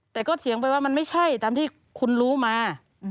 แต่ก็เถียงไปว่ามันไม่ใช่ตามที่คุณรู้มา